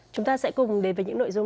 chúng ta sẽ cùng đến với những nội dung